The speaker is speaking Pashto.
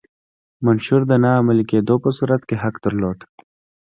منشور د نه عملي کېدو په صورت کې حق درلود.